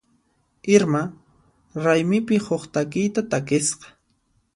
Irma raymipi huk takiyta takisqa.